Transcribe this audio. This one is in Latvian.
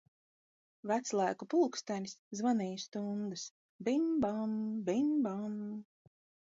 Veclaiku pulkstenis zvanīja stundas, bim bam, bim, bam!